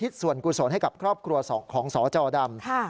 ส่วนกุศลให้กับครอบครัวของสจดำ